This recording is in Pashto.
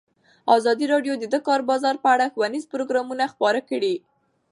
ازادي راډیو د د کار بازار په اړه ښوونیز پروګرامونه خپاره کړي.